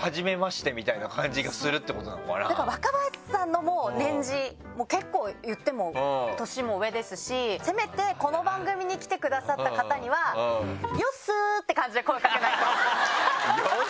だから若林さんの年次も結構いっても年も上ですしせめてこの番組に来てくださった方には「ヨッスー」って感じで声をかけないと。